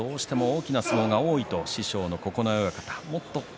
馬はどうしても大きな相撲が多いと師匠の九重親方が言っています。